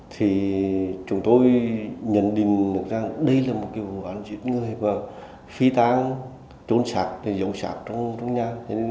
thì chúng tôi nhận định được rằng đây là một cái vụ án diễn người và phi tán trốn sạc giống sạc trong nhà